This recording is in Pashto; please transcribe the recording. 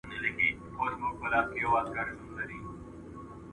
چارواکو وویل چي محتکرین به سزا وویني.